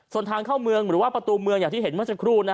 ส่วนทางเข้าเมืองหรือว่าประตูเมืองอย่างที่เห็นเมื่อสักครู่